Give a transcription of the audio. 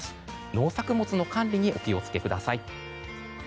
農作物の管理にお気を付けください。